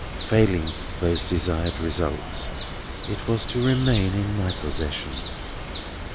Failing those desired results, it was to remain in my possession."